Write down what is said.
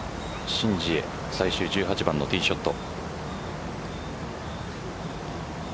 申ジエ最終１８番のティーショット。